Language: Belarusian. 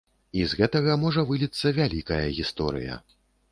І з гэтага можа выліцца вялікая гісторыя.